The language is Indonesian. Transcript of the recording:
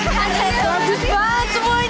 ah tadi ada semua